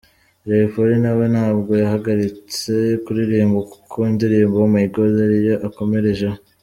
Jay Polly nawe ntabwo yahagaritse kuririmba kuko indirimbo ’Oh My God’ ariyo akomerejeho.